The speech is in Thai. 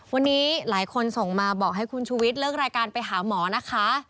วันนี้หลายคนส่งมาบอกให้คุณชุวิตเลิกรายการไปหาหมอนะคะ